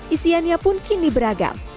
isiannya pun kini beragam